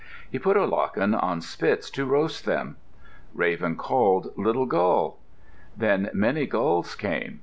He put olachen on spits to roast them. Raven called, "Little Gull!" Then many gulls came.